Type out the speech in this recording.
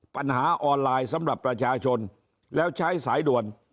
ปัญหาออนไลน์สำหรับประชาชนแล้วใช้สายด่วน